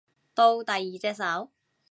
到第二隻手